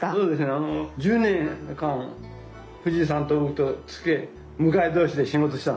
あの１０年間藤井さんと僕と机向かい同士で仕事してたんです。